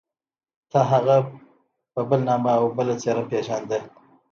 تا هغه په بل نامه او بله څېره پېژانده.